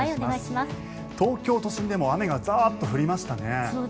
東京都心でも雨がザーッと降りましたね。